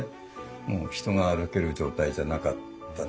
もう人が歩ける状態じゃなかったので。